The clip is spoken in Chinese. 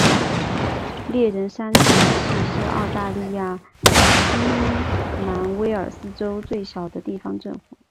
猎人山自治市是澳大利亚新南威尔斯州最小的地方政府。